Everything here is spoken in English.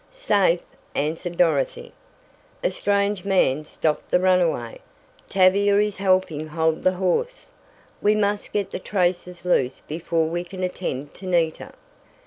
"Safe," answered Dorothy. "A strange man stopped the runaway. Tavia is helping hold the horse. We must get the traces loose before we can attend to Nita."